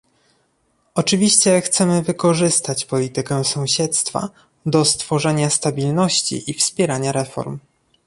Oczywiście chcemy wykorzystać politykę sąsiedztwa do stworzenia stabilności i wspierania reform